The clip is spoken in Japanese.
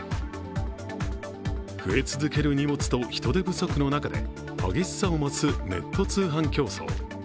増え続ける荷物と人手不足の中で激しさを増すネット通販競争。